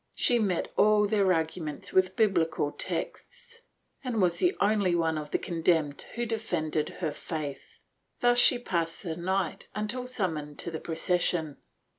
She met all their arguments with biblical texts, and was the only one of the condemned who defended her faith. Thus she passed the night until summoned to the procession.